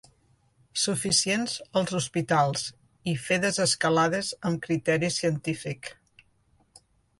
Suficients als hospitals, i fer desescalades amb criteri científic.